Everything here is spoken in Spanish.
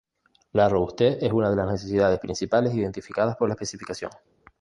La robustez es una de las necesidades principales identificadas por la especificación.